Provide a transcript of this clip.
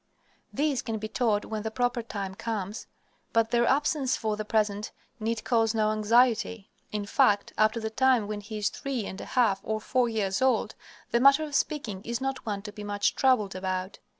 These can be taught when the proper time comes, but their absence for the present need cause no anxiety. In fact, up to the time when he is three and a half or four years old, the matter of speaking is not one to be much troubled about.